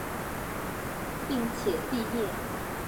并且毕业。